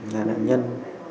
nhà nạn nhân